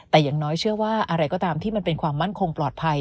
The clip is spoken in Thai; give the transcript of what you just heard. แต่อย่างน้อยเชื่อว่าอะไรก็ตามที่มันเป็นความมั่นคงปลอดภัย